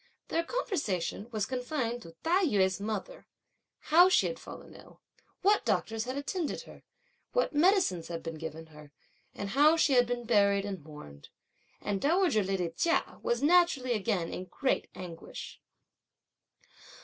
Their conversation was confined to Tai yü's mother, how she had fallen ill, what doctors had attended her, what medicines had been given her, and how she had been buried and mourned; and dowager lady Chia was naturally again in great anguish.